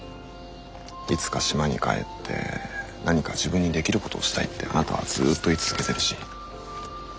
いつか島に帰って何か自分にできることをしたいってあなたはずっと言い続けてるし。